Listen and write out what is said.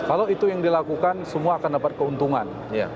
kalau itu yang dilakukan semua akan dapat keuntungan